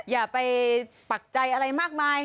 อย่าไปปักใจอะไรมากมาย